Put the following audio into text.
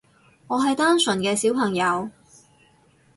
我係單純嘅小朋友